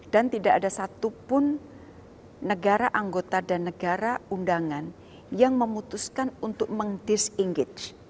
dan tidak ada satupun negara anggota dan negara undangan yang memutuskan untuk meng disengage